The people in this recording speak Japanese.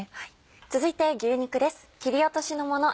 続いて牛肉です。